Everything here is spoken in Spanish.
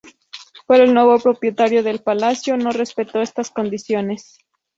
Pero el nuevo propietario del palacio no respetó estas condiciones.